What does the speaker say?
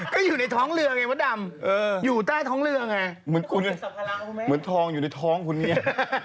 ก็อยู่ในทองเรือไงมดดำอยู่ใต้ทองเรือไงเหมือนทองอยู่ในทองคุณเนี่ย